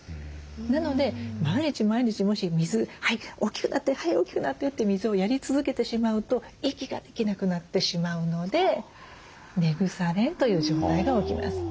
なので毎日毎日もし水「はい大きくなってはい大きくなって」って水をやり続けてしまうと息ができなくなってしまうので根腐れという状態が起きます。